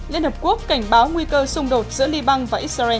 liên hợp quốc cảnh báo nguy cơ xung đột giữa liban và israel